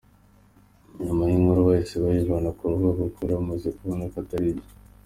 Nyuma inkuru bahise bayivana ku rubuga kuko bari bamaze kubona ko atari byo.